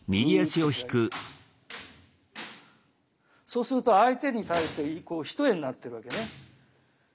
そうすると相手に対して偏えになってるわけね。